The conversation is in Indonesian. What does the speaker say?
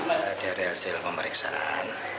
ada hasil pemeriksaan